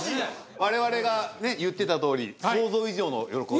我々がねっ言ってたとおり想像以上の喜び。